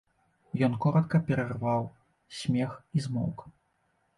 Ён коратка перарваў смех і змоўк.